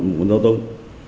một con dao tông